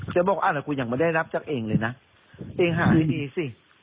ฉันบอกว่าอ้าวแต่กูยังไม่ได้รับจากเองเลยนะเองหาดีสิ